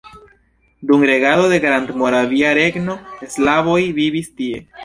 Dum regado de Grandmoravia Regno slavoj vivis tie.